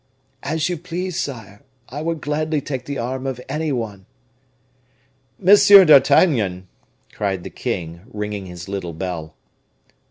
"As you please, sire; I would gladly take the arm of any one." "Monsieur d'Artagnan!" cried the king, ringing his little bell.